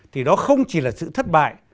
thì đó không chỉ là sự thất bại